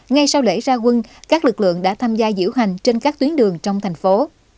ngay sau lễ ra quân các lực lượng đã tham gia diễu hành trên các tuyến đường trong thành phố